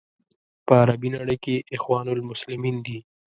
په عربي نړۍ کې اخوان المسلمین دي.